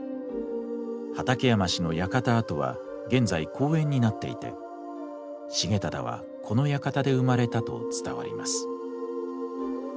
畠山氏の館跡は現在公園になっていて重忠はこの館で生まれたと伝わります。